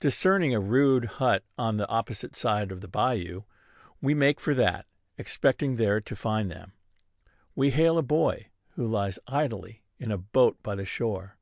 Discerning a rude hut on the opposite side of the bayou, we make for that, expecting there to find them. We hail a boy who lies idly in a boat by the shore.